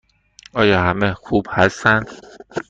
آیا همه خوب هستند؟